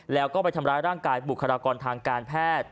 แล้วก็ไปทำร้ายร่างกายบุคลากรทางการแพทย์